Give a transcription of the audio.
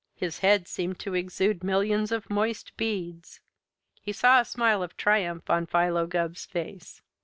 His head seemed to exude millions of moist beads. He saw a smile of triumph on Philo Gubb's face. Mr.